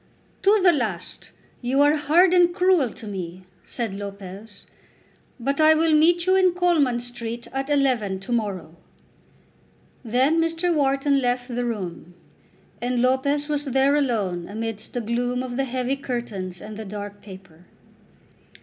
"To the last you are hard and cruel to me," said Lopez; "but I will meet you in Coleman Street at eleven to morrow." Then Mr. Wharton left the room, and Lopez was there alone amidst the gloom of the heavy curtains and the dark paper.